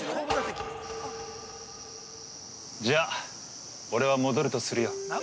じゃあ、俺は戻るとするよ。